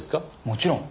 もちろん。